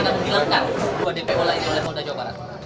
kita menghilangkan dua dpo lagi oleh polda jawa barat